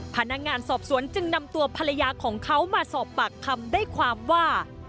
พนักงานสอบสวนจึงนำตัวภรรยาของเขามาสอบปากคำได้ความว่า